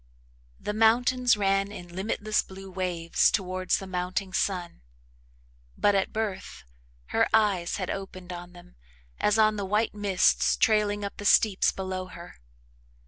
The mountains ran in limitless blue waves towards the mounting sun but at birth her eyes had opened on them as on the white mists trailing up the steeps below her.